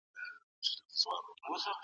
موږ د شنو سابو په مینځلو بوخت یو.